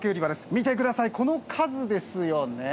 見て下さいこの数ですよねえ。